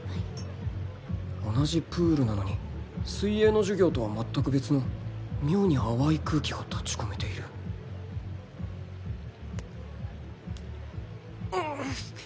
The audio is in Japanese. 同じプールなのに水泳の授業とはまったく別の妙に淡い空気が立ち込めているんんん！